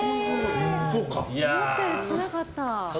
思ったより少なかった。